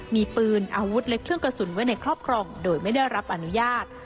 มีปืนอาวุธและเครื่องกระสุนไว้ในครอบครองโดยไม่ได้รับอนุญาต